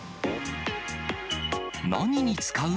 何に使う？